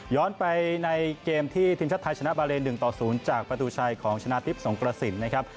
ไปในเกมที่ทีมชาติไทยชนะบาเลน๑ต่อ๐จากประตูชัยของชนะทิพย์สงกระสินนะครับ